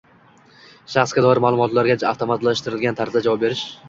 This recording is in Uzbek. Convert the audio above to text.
Shaxsga doir ma’lumotlarga avtomatlashtirilgan tarzda ishlov berish